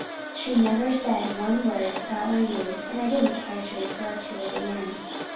She never said one word about my news and I didn't dare to refer to it again.